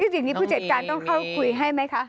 สิ่งนี้ผู้จัดการต้องเข้าคุยให้ไหมคะ